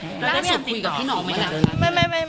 แล้วได้พยายามคุยกับพี่น่องไหมครับ